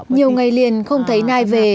nhiều ngày liền không thấy nai về